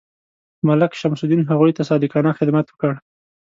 ملک شمس الدین هغوی ته صادقانه خدمت وکړ.